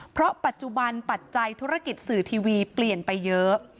เพราะปัจจุบันปัจจัยธุรกิจสื่อทีวีเปลี่ยนไปเยอะ